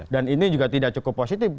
dan ini juga tidak cukup positif